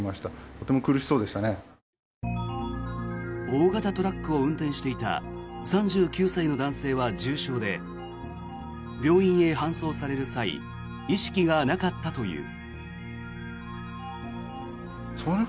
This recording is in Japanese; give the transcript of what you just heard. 大型トラックを運転していた３９歳の男性は重傷で病院へ搬送される際意識がなかったという。